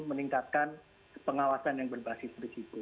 meningkatkan pengawasan yang berbasis risiko